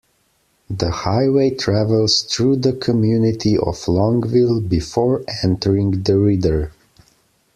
The highway travels through the community of Longville before entering DeRidder.